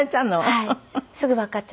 はい。